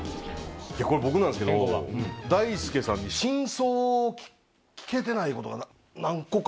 これ僕なんですけど大輔さんに。を聞けてないことが何個か。